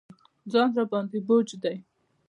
ځان راباندې بوج دی.